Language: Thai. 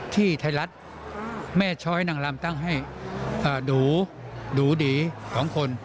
ที่ไทยรัฐแม่ช้อยนางลำตั้งให้ดูดีของคน